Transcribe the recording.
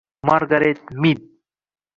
Margaret Mid